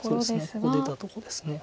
ここ出たとこです。